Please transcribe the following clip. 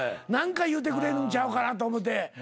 何か言うてくれるんちゃうかなと思って。